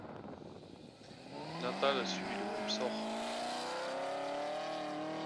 Natal subit le même sort.